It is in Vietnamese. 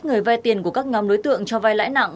người vay tiền của các ngắm đối tượng cho vay lãi nặng